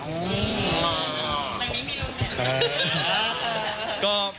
อ๋อขอบคุณครับ